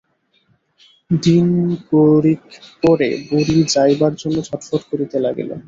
দিন কুড়িক পরে বুড়ি যাইবার জন্য ছটফট করিতে লাগিল।